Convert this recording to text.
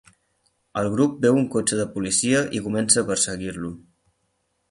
El grup veu un cotxe de policia i comença a perseguir-lo.